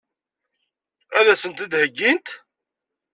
Ad as-tent-id-heggint?